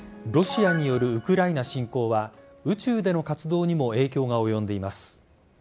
ロシアによるウクライナ侵攻は宇宙での活動にも影響が及んでいます。